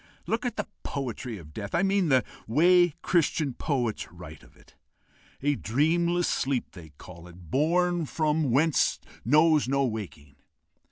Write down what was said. Look at the poetry of death I mean the way Christian poets write of it! A dreamless sleep they call it the bourne from whence, knows no waking.